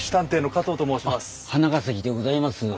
花ケ前でございます。